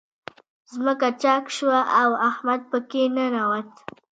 ځمکه چاک شوه، او احمد په کې ننوت.